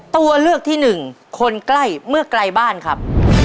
ตัวเลือกที่หนึ่งคนใกล้เมื่อไกลบ้านครับ